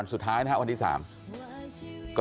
แล้วก็ไม่พบ